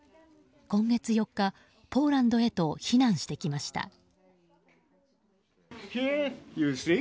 今月４日、ポーランドへと避難してきました。